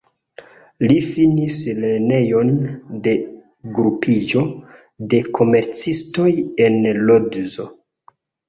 Li finis Lernejon de Grupiĝo de Komercistoj en Lodzo.